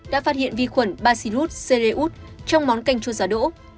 đã phát hiện vi khuẩn bacillus cereus trong món canh chua giá đỗ